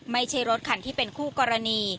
ไม่ใช่รถคันที่เป็นคู่กรณี